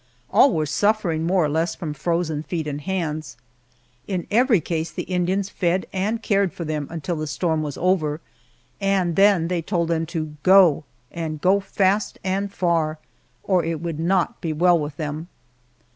All were suffering more or less from frozen feet and hands. In every case the Indians fed and cared for them until the storm was over, and then they told them to go and go fast and far, or it would not be well with them.